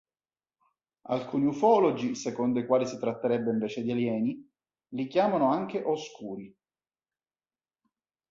Alcuni ufologi, secondo i quali si tratterebbe invece di alieni, li chiamano anche "oscuri".